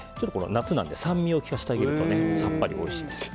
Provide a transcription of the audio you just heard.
夏なので酸味を利かせてあげるとさっぱりおいしいです。